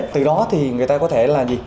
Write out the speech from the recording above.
từ đó thì người ta có thể là gì